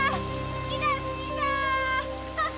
好きだ好きだ！